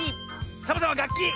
サボさんはがっき！